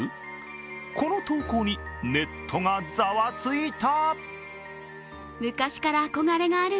この投稿にネットがざわついた。